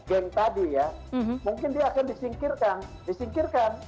geng tadi ya mungkin dia akan disingkirkan disingkirkan ya disingkirkan nih mungkin soal